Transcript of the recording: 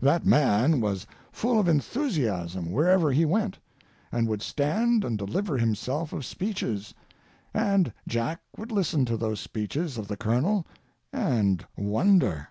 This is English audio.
That man was full of enthusiasm wherever he went, and would stand and deliver himself of speeches, and Jack would listen to those speeches of the colonel and wonder.